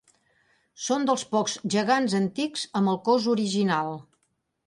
Són dels pocs gegants antics amb el cos original.